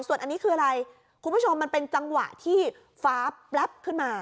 ส่วนอันนี้คืออะไรคุณผู้ชมมันเป็นจังหวะที่ฟ้าแป๊บขึ้นมา